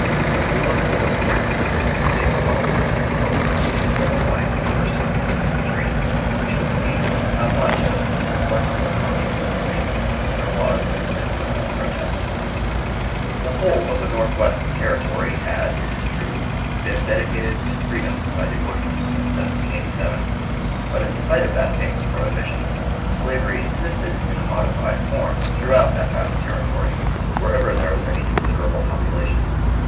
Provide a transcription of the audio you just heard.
But if we look a little carefully into the state of politics and public opinion in Illinois in the first half of this century, we shall see how much of inflexible conscience and reason there was in this simple protest. [Sidenote: Edwards, "History of Illinois," p. 179.] [Sidenote: Edwards, p. 180.] The whole of the North west territory had, it is true, been dedicated to freedom by the ordinance of 1787, but in spite of that famous prohibition, slavery existed in a modified form throughout that vast territory wherever there was any considerable population.